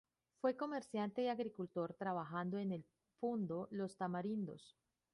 Fue comerciante, y agricultor, trabajando en el fundo "Los Tamarindos".